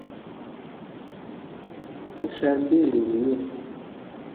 I shall be with you.